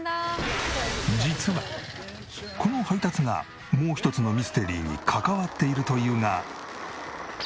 実はこの配達がもう一つのミステリーに関わっているというがその